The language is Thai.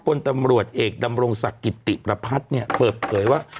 บนตำรวจเอกดำรงศักดิ์กิติประพัดเปิดเกยว่า